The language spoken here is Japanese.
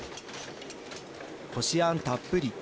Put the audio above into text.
こしあんたっぷり。